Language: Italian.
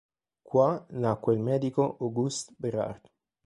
Qua nacque il medico Auguste Bérard.